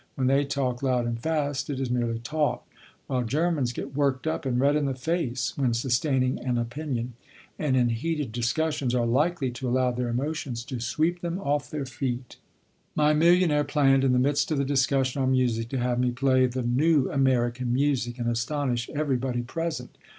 When they talk loud and fast, it is merely talk, while Germans get worked up and red in the face when sustaining an opinion, and in heated discussions are likely to allow their emotions to sweep them off their feet. My millionaire planned, in the midst of the discussion on music, to have me play the "new American music" and astonish everybody present.